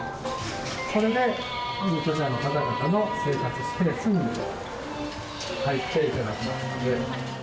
それで、入所者の方々の生活スペースに入っていただく。